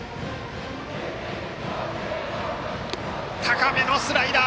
高めのスライダー！